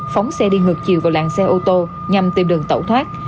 phóng xe đi ngược chiều vào làng xe ô tô nhằm tìm đường tẩu thoát